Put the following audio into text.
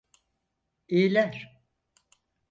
İyiler.